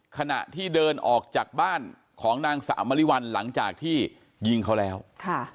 ขณะที่เดินออกจากบ้านของนางสาวมริวัลหลังจากที่ยิงเขาแล้วค่ะ